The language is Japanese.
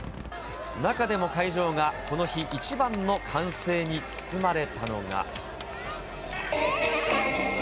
中でも会場がこの日、一番の歓声に包まれたのが。